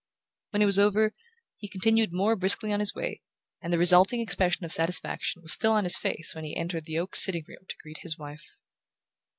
When it was over he continued more briskly on his way, and the resulting expression of satisfaction was still on his face when he entered the oak sitting room to greet his wife...